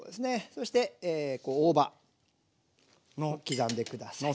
そして大葉も刻んで下さい。